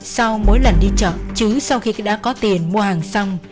sau mỗi lần đi chợ chứ sau khi đã có tiền mua hàng xong